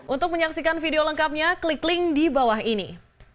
untuk menyaksikan video lengkapnya klik link di bawah ini